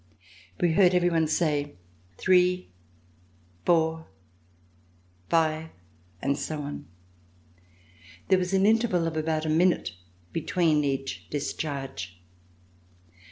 We heard everyone say: "Three, four, five," and so on. There was an interval of about a minute between each discharge.